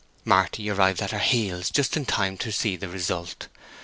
Marty arrived at her heels just in time to see the result.